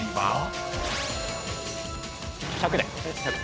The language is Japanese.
１００で。